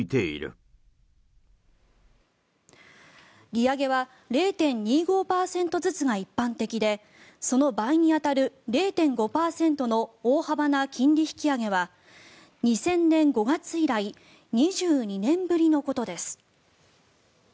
利上げは０．２５％ずつが一般的でその倍に当たる０．５％の大幅な金利引き上げは２０００年５月以来２２年ぶりのことです。